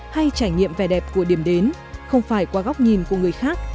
hay trải nghiệm vẻ đẹp của điểm đến không phải qua góc nhìn của người khác